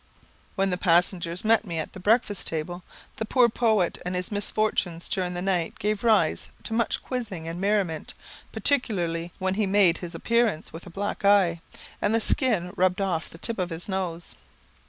When the passengers met at the breakfast table, the poor poet and his misfortunes during the night gave rise to much quizzing and merriment, particularly when he made his appearance with a black eye, and the skin rubbed off the tip of his nose.